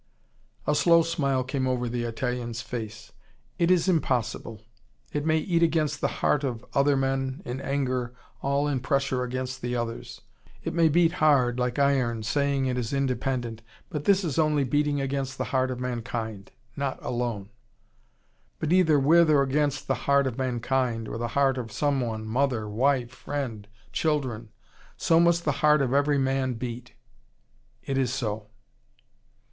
A slow smile came over the Italian's face. "It is impossible. It may eat against the heart of other men, in anger, all in pressure against the others. It may beat hard, like iron, saying it is independent. But this is only beating against the heart of mankind, not alone. But either with or against the heart of mankind, or the heart of someone, mother, wife, friend, children so must the heart of every man beat. It is so."